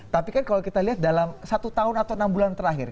tapi kan kalau kita lihat dalam satu tahun atau enam bulan terakhir